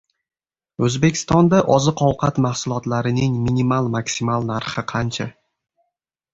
O‘zbekistonda oziq-ovqat mahsulotlarining minimal-maksimal narxi qancha?